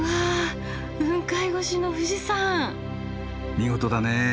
見事だね。